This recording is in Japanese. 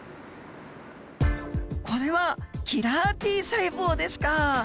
これはキラーＴ細胞ですか！